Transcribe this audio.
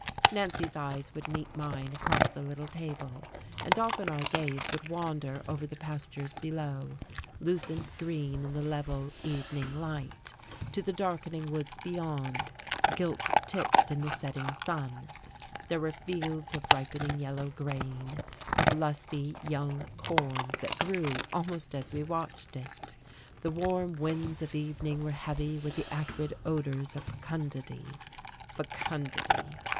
Nancy's eyes would meet mine across the little table, and often our gaze would wander over the pastures below, lucent green in the level evening light, to the darkening woods beyond, gilt tipped in the setting sun. There were fields of ripening yellow grain, of lusty young corn that grew almost as we watched it: the warm winds of evening were heavy with the acrid odours of fecundity. Fecundity!